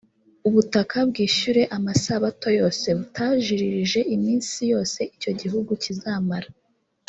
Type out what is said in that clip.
ubutaka bwishyure amasabato yose butajiririje iminsi yose icyo gihugu kizamara